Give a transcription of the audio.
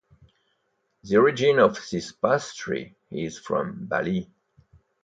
The origin of this pastry is from Bali.